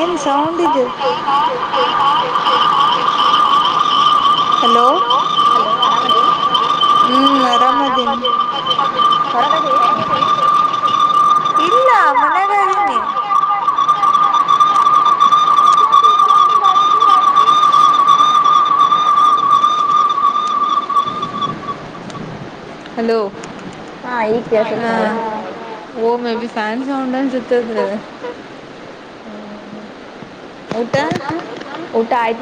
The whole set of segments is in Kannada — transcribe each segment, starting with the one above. ಏನ್ ಸೌಂಡ್ ಇದು ಹಲೋ ಹಲೋ ಹಲೋ ಆರಾಮದಿ. ಹ್ಮ್ ಆರಾಮದೀನ್ ಇಲ್ಲ ಮನೆಲೆ ಅದಿನಿ ಹಲೋ ಹಾ ಓ ಮೆಬಿ ಫ್ಯಾನ್ ಸೌಂಡ್ ಅನ್ಸುತ್ ಅದು. ಊಟ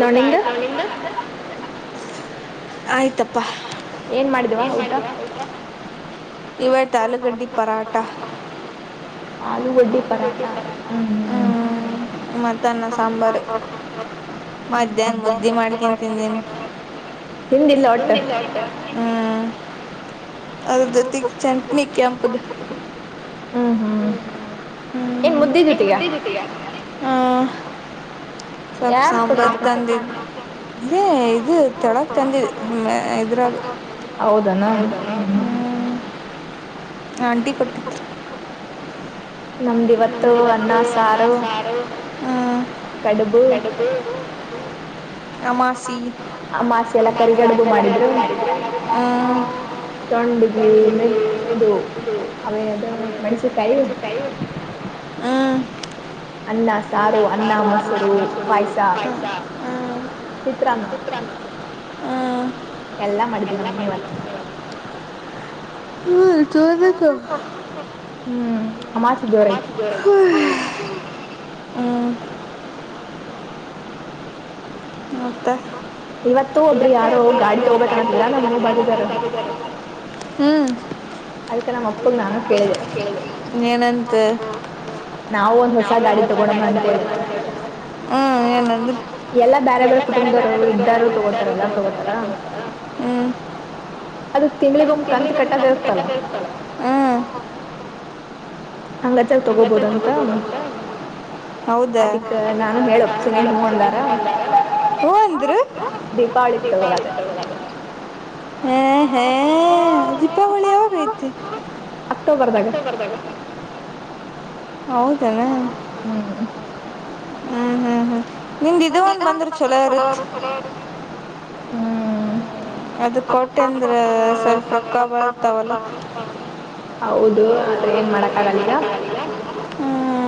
ಊಟ ಆಯ್ಲೆ ನಿನ್ದು. ಆಯ್ತಪ್ಪಾ ಏನ್ ಮಾಡಿದ್ಯ. ಇವತ್ ಆಲುಗಡ್ಡಿ ಪರಾಟ. ಆಲೂಗಡ್ಡೆ ಪರಾಠ ಹ್ಮ್ ಹ್ಮ್ [unintelligible] ಹಿಂದಿಲ್ಲ ಒಟ್ಟು ಹ್ಮ್ ಅದ್ರ್ ಜೊತಿ ಚಟ್ನಿ ಕೆಂಪುದು. ಹ್ಮ್ ಹ್ಮ್ ಹ್ಮ್ ಏನ್ ಮುದ್ದಿ ಜೊತಿಗ ಹ್ಮ. ಸ್ವಲ್ಪ ಸಾಂಬಾರು ತಂದಿದ್ದು ಇದೇ ಇದು. ತಳಕ್ ತಂದಿದ್ ಇದ್ರಾಗ ಹೌದೆನಾ. ಆಂಟಿ ಕೊಟ್ಟಿದ್ರು ನಂದ್ ಇವತ್ತು ಅನ್ನ ಸಾರು ಕಡುಬು. ಅಮಾಸಿ ಅಮಾಸಿ ಅಲ್ಲ ಕರಿಗಡುಬು ಮಾಡಿದ್ರು. [unintelligible] ಹ್ಮ್ ಅನ್ನ ಸ್ ಸಾರು ಅನ್ನ ಮೊಸರು ಪಾಯ್ಸ ಚಿತ್ರಾನ್ನ. ಎಲ್ಲಾ ಮಾಡಿದ್ಲು ನಮ್ ಮಮ್ಮಿ ಇವತ್ತು. [unintelligible] ಹ್ಮ್ [unintelligible] ಹ್ಮ್ ಅಮಾಸೆ ಜೋರ್ ಐತೆ. ಹೊಯ್ ಹ್ಮ್ ಮತ್ತೆ ಇವತ್ತೇ ಒಬ್ರು ಯಾರೊ ಗಾಡಿ ತಗೋಬೇಕಾದರೆ [unintelligible] ಮುಂದಕೆ ಆಕಿದ್ದಾರೆ. ಹ್ಮ್ ಅದಿಕೆ ನಮ್ ಅಪ್ಪುನ್ ನಾನು ಕೇಳ್ದೆ ಏನಂತ. ನಾವು ಒಂದ್ ಹೊಸ ಗಾಡಿ ತಗೊಳೋಣಮ ಅಂತ್ ಹೇಳಿ ಹೂ ಏನಂದ್ರ್. ಎಲ್ಲಾ ತಾರಾದವ್ರ ಕುಟುಂಬದವರು ಇದ್ದಾರು ತಗೋತಾರೆಲ್ಲ ತಗೋತಾರ ಹ್ಮ. ಅದು ತಿಂಗಳಿಗ್ ಒಮ್ ಕಂತ್ ಕಟ್ಟದ್ ಇರುತ್ತಲ್ಲಾ. ಹ ಹಂಗಾದ್ರೆ ತಗೋಬೋದ್ ಅಂತ. ಅದಿಕ್ ನಾನು ಹೇಳಿ ಓಪ್ಸಿನಿ ಹೂ ಅಂದಾರ. ದೀಪಾವಳಿ ತಗೊಳದು ಹೇ ಹೇ ದೀಪಾವಳಿ ಯಾವಾಗ್ ಗೈತಿ ಅಕ್ಟೋಬರ್ ದಾಗ. ಹೌದ. ಹ್ಮ್ ಹ್ಮ್ ಹ್ಮ್ ಹ್ಮ್ ನಿಮ್ದು ಇದು ಒಂದು ಬಂದ್ದಿರುತ್ತೆ ಚಲೋ ಇರತ್ ಅದು ಕೊಟ್ಟೆ ಅಂದ್ರೆ ಸ್ವಲ್ಪ ರೊಕ್ಕ ಬರ್ತಾವಲ್ಲ. ಹೌದು ಅಂದ್ರೆ ಏನ್ ಮಾಡಕ್ಕ ಆಗಲ್ಲ ಈಗ.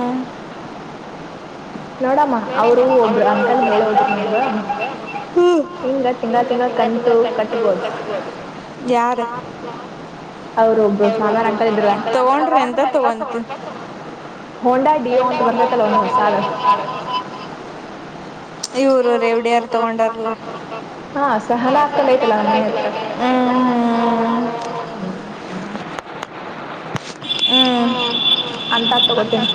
ಮೇಡಮ್ಮ ಅವ್ರ ಒಬ್ಬರು ಅಂಕಲ್ ಹೇಳೋದ್ರೂ ಈಗ. ಇಂಗ ತಿಂಗಳ ತಿಂಗಳ ಕಾಂಟಿನ್ಯೂಸ್ ಕಟ್ ಬಹುದು ಯಾರ. ಅವ್ರೊಬ್ರು ಸಾಮನ್ ಅಕ್ಕ ಇದ್ರ. ಹೋಂಡಾ ಡಿಯೋ ಅಂತ ಬರ್ತೈತಲ್ಲ ಒಂದು ಸಾಲು. ಇವರು ರೇವಡೆ ಯಾರ ತಗೊಂಡಾರ್ ರೀ. ಹಾ ಸಹನ ಆಗ್ತಬೇಕಲ್ಲ ಮನೆ ಹತ್ರ ಹ ಹ ಹ್ಮ್ ಅಂತ ತಗೋತೀನಿ.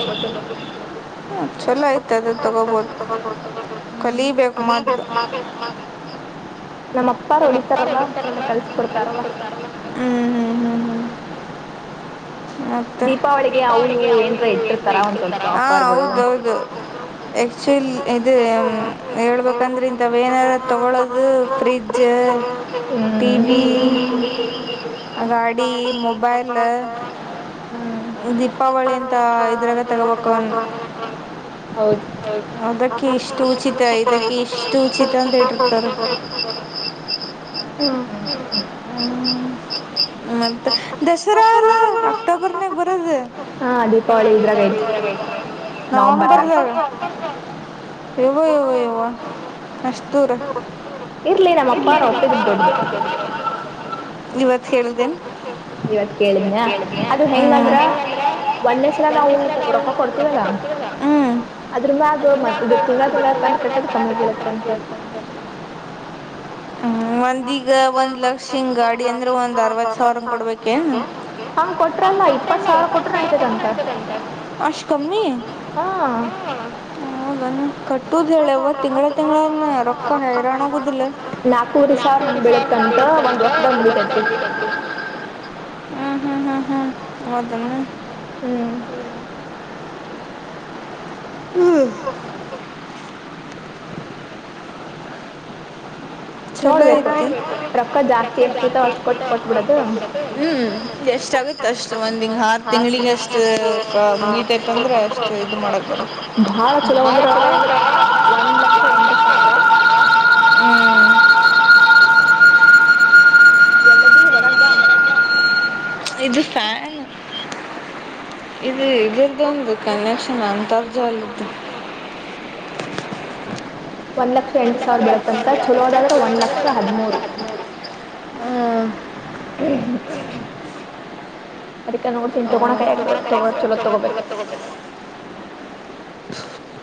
ಚಲೋ ಆಯಿತಿ ಅದು ತಗೋಬೋದು ಕಲಿಬೇಕು ಮೊದಲ್ ಹಾ ನಮ್ಮ್ ಅಪ್ಪಾರು ಹಡತಾರಲ್ಲ ಕಳಸ್ ಕೊಡ್ತಾರಲ್ಲ. ಹ್ಮ್ ಹ್ಮ್ ಹ್ಮ್ ಹ್ಮ್ ಮತ್ತೆ ದೀಪಾವಳಿಗೇ ಅವರು ಏನ್ ಅಂದ್ರೆ ಕೊಡತಾರ ಹಾ ಹೌದೌದು. ಆಕ್ಚುಲಿ ಇದೆ ಹ್ಮ್ ಹೇಳ್ಬೇಕಂದ್ರೆ ಇಂಥವ ಏನಾರ ತೊಗೊಳ್ಳೋದು. Fridge T V. ಬರಿ ಮೊಬೈಲ್. ಹ್ಮ್ ದೀಪಾವಳಿಗ ಇದರಲ್ಲೇ ತಗೋಬೇಕು ಅನ್ನಿ ಹೌದು. ಅದಕ್ಕೆ ಎಷ್ಟು ಉಚಿತ ಇದಕ್ಕೆ ಎಷ್ಟು ಉಚಿತ ಕೊಟ್ಟಿರ್ತಾರೆ. ಹ್ಮ ಹ್ಮ್ ಮತ್ತೆ ದಸರಾ ಅಲ್ಲ ಅಕ್ಟೋಬರ್ ನಾಗ ಬರೋದು. ಹಾ ದೀಪಾವಳಿ ಇದ್ರಾಗ ಐತ್. ನವಂಬರ್ ದಾಗ. ಯವ್ವ ಯವ್ವ ಯವ್ವ ಅಷ್ಟು ದೂರ. ಇರಲಿ ನಮ್ಮ ಅಪ್ಪ ಅವರು ಅಪ್ಪನ ತೋಟದು ಇವತ್ ಕೇಳ್ದೇನ್. ಇವತ್ ಕೇಳಿದನ ಅದು ಹೆಂಗಂದ್ರೆ ಒಂದೆಸರ ನಾವು ರೊಕ್ಕ ಕೊಡ್ತವಿ ಅಲ್ ಲ್ಲ ಅದ್ರ ಮ್ಯಾಗ ಇದು ತಿಂಗಳ ತಿಂಗಳ ಕಂತೂ ಕಟ್ಟದು ಕಮ್ಮಿ ಬೀಳತ್ತ ಅಂತ. ಹ್ಮ ಮಂದೀಗ ಒಂದು ಲಕ್ಷಿಂದ ಗಾಡಿ ಅಂದ್ರೆ ಒಂದು ಅರವತ್ತು ಸಾವಿರ ಕೊಡ್ಬೇಕೇ. ಹಂಗ್ ಕೊಟ್ರ್ ಅಲ್ಲ ಇಪ್ಪತ್ತು ಸಾವಿರ ಕೊಟ್ಟು ನಡತದೆ ಅಂತ ಅಷ್ಟ್ ಕಮ್ಮಿ ಹಾ ಹೌದೇನೊ ಕಟ್ಟುದ ಹೇಳವ್ವ ತಿಂಗಳ ತಿಂಗಳ ರೊಕ್ಕ ಹೈರಾಣ ಆಗುದಿಲ್ಲೆ. ಇ ನಾಕ ದಸ ಒಂದಳ್ ತನಕ ಒಂದ್ ವರ್ಷ ಬಂದ್ ಹ್ಮ್ ಹ್ಮ್ ಹ್ಮ್ ಹ್ಮ್ ಹೌದನೆ ಹ್ಮ್ ಹ್ಮ್ [unintelligible] ಚಲೋ ಐತಿ. [unintelligible] ಹ್ಮ್ ಎಷ್ಟಗುತ್ತೆ ಅಷ್ಟು ಒಂದಿಂಗ ಹ ತಿಂಗಳಿಗ ಅಷ್ಟ ಕ [unintelligible] ಅಂದ್ರ ಅಷ್ಟ ಇದು ಮಾಡಕ ಬರುತ್ತ. ಭಾಳ ಚಲೋ ಅಂದ್ರ [unintelligible] ಎಲ್ಲದಿ ಹೊರಗ್ ಬಾ. ಇದು ಫ್ಯಾನ್ ಇದು ಇದರ್ದೊಂದ ಕನೆಕ್ಷನ್ ಅಂತರ್ಜಾಲದ ಒಂದ್ ಲಕ್ಷ ಎಂಟು ಸಾವ್ರ ಬಿಳತ್ತಂತ ಚಲೋದಾದ್ರ ಒಂದ್ ಲಕ್ಷ ಹದ್ಮೂರು. ಅದಕ್ ನೋಡ್ತೀನ್ ತಗೋನ ಕೈಯಾಗ ತಗೋ ಚಲೋದ ತಗೋಬೇಕ.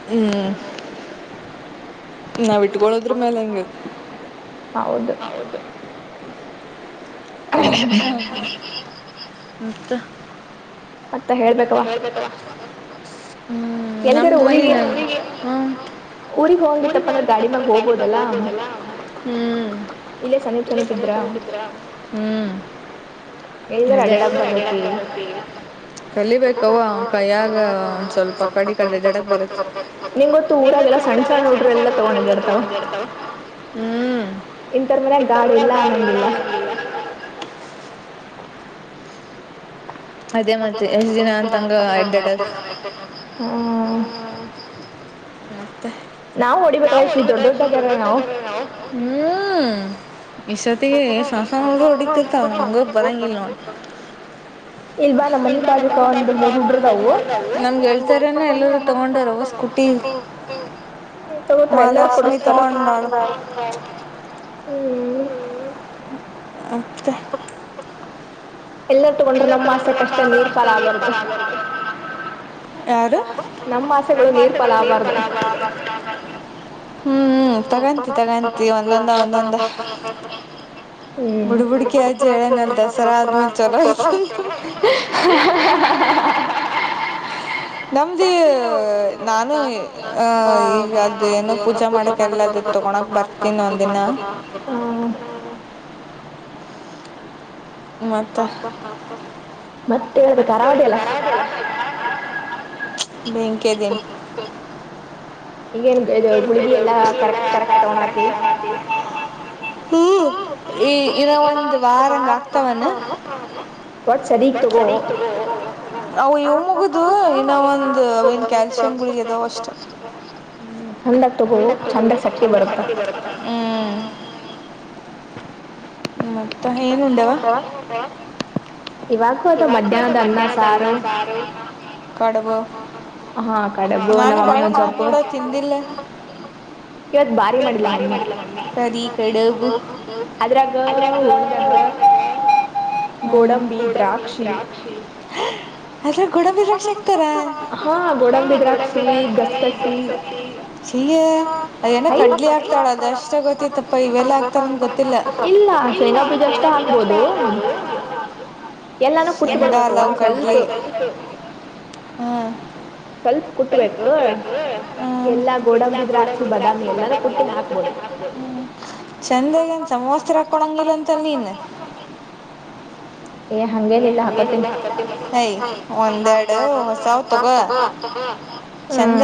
ಹ್ಮ್. ನಾವ ಇಟ್ಕೊಳ್ಳೋದ್ರ ಮೇಲೆ ಹಂಗ್ ಹೌದ. [unintelligible] ಮತ್ತ ಮತ್ತ ಹೇಳಬೇಕವ್ವಾ ಹ್ಮ್ ನಮ್ದ [unintelligible] ಹ್ಮ [unintelligible] ಊರಿಗ್ ಹೋಗೋದೀತಪ್ಪಾ ಅಂದ್ರ ಗಾಡಿ ಮ್ಯಾಗ ಹೋಬೋದಲಾ ಹ್ಮ್. ಇಲ್ಲೇ ಸಮೀಪ ಸಮೀಪ ಇದ್ದರ ಹ್ಮ್. ಅದೇ ಎಲ್ಲಿ ಅರಾ ಅಡ್ಡ್ಯಾಡಕ್ ಬರ್ತೇತಿ. ಕಲಿಬೇಕವ್ವಾ ಕೈಯಾಗ ಒನ್ ಸ್ವಲ್ಪ ಅಕಡ ಇಕಡ ಅಡ್ಯಾಡಕ್ ಬರುತ್ತ. ನಿಂಗ್ ಗೊತ್ತು ಊರಾಗೆಲ್ಲ ಸಣ್ಣ ಸಣ್ಣ ಹುಡ್ರ ಎಲ್ಲ ತಗೊಂಡ ಅಡ್ಡಯಾಡ್ತಾವ್ ಹ್ಮ್. ಇಂಥೋರ್ ಮನ್ಯಾಗ ಗಾಡಿ ಇಲ್ಲಾ ಅಣ್ಣಂಗಿಲ್ಲಾ. ಅದೇ ಮತ್ತೆ ಎಷ್ಟ ದಿನ ಅಂತಂಗ ಅಡ್ಯಾಡೋದು. ಮತ್ತೆ ನಾವು ಹೊಡಿಬೇಕಾದ್ರ [unintelligible] ನಾವು ಹ್ಮ್ ಎಷ್ಟಸತಿ ಸಣ್ಣ ಸಣ್ಣ ಹುಡ್ಗೋರ್ ಹೊಡಿತಿರ್ತಾವ್ ನಂಗ್ ಬರಂಗಿಲ್ಲ ನೋಡ. [unintelligible] ನಮ್ಗೆಳ್ತಾರನ ಎಲ್ಲರೂ ತಗೊಂಡಾರ ಅವ್ವಾ ಸ್ಕೂಟ್ ಹ್ಮ ತಗೋತಾರ ಎಲ್ಲಾರ ಕೊಡಸ್ತಾರ. ಹ್ಮ್. ಮತ್ತೇ ಎಲ್ಲರ ತಗೊಂಡ್ರ ನಮ್ಮ್ ಆಸೆ ಕಷ್ಟ ನೀರ್ ಪಾಲ ಆಗ್ಬಾರ್ದು. ಯಾರು [unintelligible] ಹ್ಮ್ ಹ್ಮ್ [unintelligible] ಹ್ಮ್ [unintelligible] [inaudible] ನಮಗೆ ನಾನು ಆ ಈಗ ಅ ಏನ ಪೂಜಾ ಮಾಡುತ್ತೇನೆ. [unintelligible] ಮತ್ತ [unintelligible] [unintelligible] ಬೆಂಕಿ ಅದೇನ್ [unintelligible] ಹ್ಮ್ ಈ ಇನ್ನ ಒಂದ್ ವಾರಂಗ ಆಗ್ತಾವನ್. [unintelligible] ಅವು ಇವ ಮುಗುದು ಇನ್ನ ಒಂದ ಅವೆನ್ ಕಲ್ ಶಿಂಬ್ಲೀಗ್ ಅದಾವ ಅಷ್ಟ. ಹ್ಮ್ ಚಂದಾಗ್ ತಗೋ ಚಂದಾಗ್ ಶಕ್ತಿ ಬರುತ್ತ. ಹ್ಮ್ ಮತ್ತ ಏನ ಉಂಡ್ಯವ್ವಾ? ಇವಾಗಸ ಅದ ಮಧ್ಯಾಹ್ನದ ಅನ್ನ ಸಾರು. ಕಡಬ ನಾನು ಬಾಳ ದಿನಾ ಆತ್ ನೋಡ ತಿಂದಿಲ್ಲ. ಇವತ್ ಭಾರಿ ಮಾಡಿಲ್ಲ ಮಮ್ಮಿ ಅದ್ರಾಗ ಹುರ್ಣದಾಗ [unintelligible] ಹ್ಮ್ ಗೋಡಂಬಿ ದ್ರಾಕ್ಷಿ ಅದ್ರಕ್ಕ ಗೋಡಂಬಿ ದ್ರಾಕ್ಷಿ ಆಗ್ತಾರ ಗೋಡಂಬಿ ದ್ರಾಕ್ಷಿ ಗಣಪತಿ [unintelligible] ಅದೇನ ಕಡ್ಲೆ ಆಗ್ತಾಳ ಅದಷ್ಟೇ ಗೊತ್ತಿತ್ತಪ್ಪ ಇವೆಲ್ಲ ಆಗ್ತಾರನ್ ಗೊತ್ತಿಲ್ಲ. ಇಲ್ಲ ಶೇಂಗಾ ಬೀಜನೂ ಶೇಂಗಾ ಹಾಕಬಹುದು ಶೇಂಗಾ ಅಲ್ಲಿ ಅವು ಕಡ್ಲಿ. ಹ್ಮ್ ಸ್ವಲ್ಪ ಕುಟ್ಟಬೇಕು ಎಲ್ಲಾ ಗೋಡಂಬಿ ದ್ರಾಕ್ಷಿ ಬಾದಾಮಿ ಎಲ್ಲಾನೂ ಕುಟ್ಟಿ ಹಾಕ್ ಹ್ಮ್ ಚಂದಗೇನ್ ಸಮವಸ್ತ್ರ ಹಾಕೊಳಂಗಿಲ್ಲ ಅಂತಲ್ ನೀನ್ ಏ ಹಂಗೇನ ಇಲ್ಲ ಹಾಕೋತೀನಿ ಹ್ಮ್ ಅಂಬಡೂ ಪೋನ್ ತಗೋ.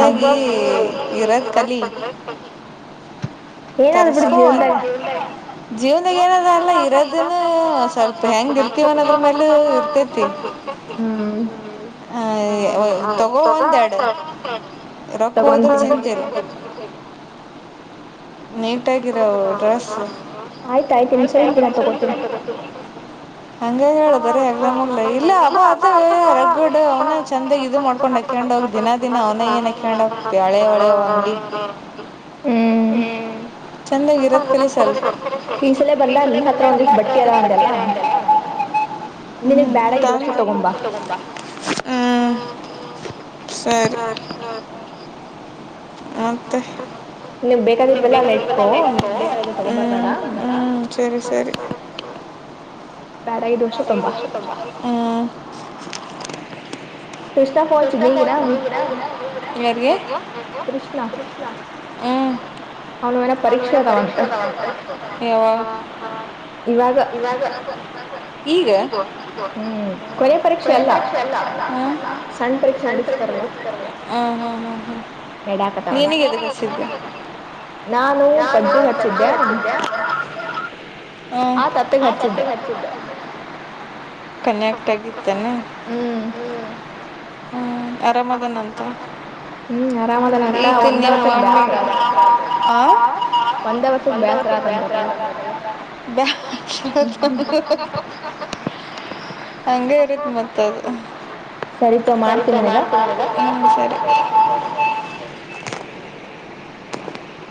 ಚೆನ್ನಾಗಿ [unintelligible] ತರಸ್ಕೋ ಜೀವನದಾಗ ಏನದ ಅಲ್ಲ ಇರೋದನ್ನು ಹ ಸ್ವಲ್ಪ ಹೆಂಗ್ ಇರತೀವಿ ಅನ್ನೊದರ ಮೇಲಿ ಇರ್ತೇತಿ. ಹ ತಗೋ ಒಂದೆರಡು. ರೊಕ್ಕ ಉಳಿದ್ರೂ ಚಿಂತಿಲ್ಲ. ನೀಟಾಗಿರೋವು ಡ್ರೆಸ್ಸ್ ಆಯ್ತ್ ಆಯ್ತು [unintelligible] ಹಂಗ ಹೇಳ ಬರೀ ಆಗ್ಲಲ ಇಲ್ಲ ಅಬ್ ಅದು ರಗ್ಗಡು ಅವನ ಚಂದಾಗ ಇದು ಮಾಡ್ಕೊಂಡತ್ ಎಕೊಂಡ ಹೋಗಿ ದಿನ ದಿನ ಅವನ ಏನ್ಕೊಂಡ ಹೋಗ್ತಿ ಹಳೆ ಹಳೆ ಹಂಗಿ. ಹ್ಮ್ ಚಂದಾಗಿ ಇರದ ಕೆಲಸಲ್ ಈಸಲ ಬಂದಾಗ್ [unintelligible] ಕೆರೆ ಅಂದಲ್ಲ ಹ್ಮ್ ತಂದ ನೀನ್ ಆಗಿದ್ರೆ ಇಷ್ಟು ತಗೋ ಬಾ ಹ್ಮ್ ಸರಿ ಒ ಮತ್ತೆ ನೀವ ಬೇಕಾಗಿದ್ವೆಲ್ಲ ನೆಟ್ಕೋ ನಿನ್ ಬೇಕ ತಗೊಂಬರ್ಬೇಡ [inaudible] ನಾಳದು ತಬಾ ಹ್ಮ್ ಕೃಷ್ಣಾ ಪಚು ನೀಗಣ ಯಾರಿಗೆ ಕೃಷ್ಣಾ ಅವನಿಗೆ ಏನೋ ಪರೀಕ್ಷೆ ಇದಾವಂತೆ. ಇವಾಗ ಹ್ಮ್ ಈಗ ಕೊನೆ ಪರೀಕ್ಷೆ ಅಲ್ಲ. ಸಣ್ಣ ಪರೀಕ್ಷೆ ನಡೆಸ್ತಾರಲ್ಲ ನಡಕತಾವಂತ ಮೂವಿ ಹೇಗಿದೆ. ನಾನು ಪಜ್ಜು ಹಚ್ಚಿದ್ದ. ಹ್ಮ್ ಆ ಪದ್ದುಗ ಹಚ್ಚಿದ್ದ ಕನ್ಯಕ್ಟ್ ಆಗಿಲ್ ನೆ ಹ್ಮ್ ಹ್ಞೂ ಆರಾಮ್ ಆದನಂತ ಈತನ್ನು [unintelligible] ಆ ಒಂದೇ ವರ್ಷದ ಬೇಸರ [unintelligible] ಬ [inaudible] ಹಂಗೆ ಇರುತ್ ಮತ್ತ್ ಅದು. ಸರಿತೋ ಮಾಡ್ತೀನಿ ಇವಾಗ ಇವಾಗ ಹ್ಮ್ ಸರಿ [unintelligible]